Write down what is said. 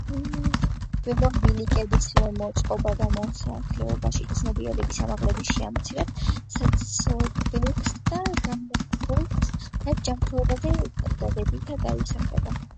ველობილიკების მოწყობა და მოსახლეობაში ცნობიერების ამაღლება შეამცირებს საცობებს და გამონაბოლქვს, რაც ჯანმრთელობაზე დადებითად აისახება.